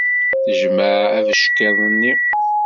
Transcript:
Tejmeɛ abeckiḍ-nni.